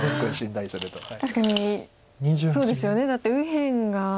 だって右辺が。